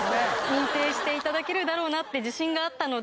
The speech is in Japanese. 認定して頂けるだろうなって自信があったので。